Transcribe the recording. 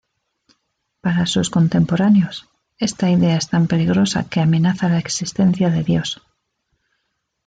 Para sus contemporáneos, esta idea es tan peligrosa que amenaza la existencia de Dios.